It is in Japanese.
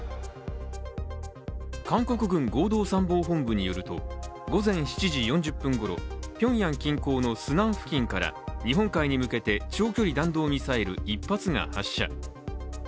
韓国軍合同参謀本部によると午前７時４０分ごろピョンヤン近郊のスナン付近から日本海に向けて長距離弾道ミサイル１発が発射。